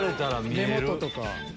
目元とか。